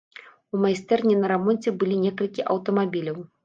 У майстэрні на рамонце былі некалькі аўтамабіляў.